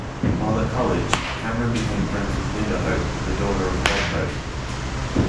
While at college, Cameron became friends with Linda Hope, the daughter of Bob Hope.